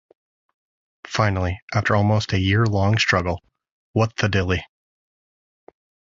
Finally, after almost a year-long struggle, Whutthadilly?